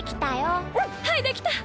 はいできた！